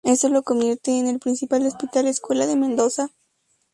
Esto lo convierte en el principal hospital escuela de Mendoza.